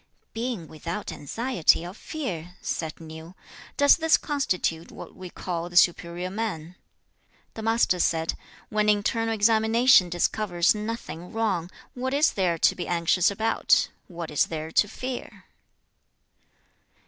2. 'Being without anxiety or fear!' said Nui; 'does this constitute what we call the superior man?' 3. The Master said, 'When internal examination discovers nothing wrong, what is there to be anxious about, what is there to fear?'